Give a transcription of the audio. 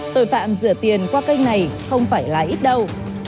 tội phạm rửa tiền qua kênh này không phải là ít đâu